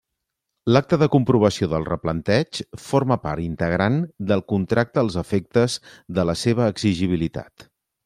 L'acta de comprovació del replanteig forma part integrant del contracte als efectes de la seva exigibilitat.